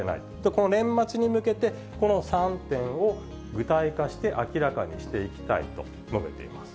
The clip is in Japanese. この年末に向けて、この３点を具体化して明らかにしていきたいと述べています。